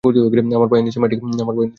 আমার পায়ের নিচের মাটি কেঁপে উঠল।